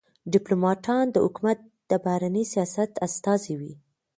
ډيپلوماټان د حکومت د بهرني سیاست استازي وي.